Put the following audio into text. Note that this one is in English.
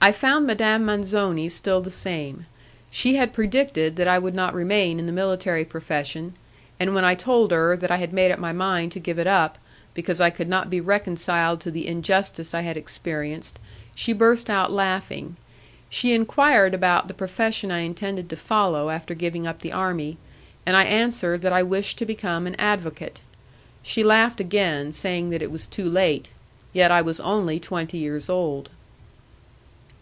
I found Madame Manzoni still the same. She had predicted that I would not remain in the military profession, and when I told her that I had made up my mind to give it up, because I could not be reconciled to the injustice I had experienced, she burst out laughing. She enquired about the profession I intended to follow after giving up the army, and I answered that I wished to become an advocate. She laughed again, saying that it was too late. Yet I was only twenty years old.